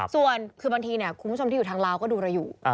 ส่วนคือบางทีคุณผู้ชมที่อยู่ทางลาวก็ดูเราอยู่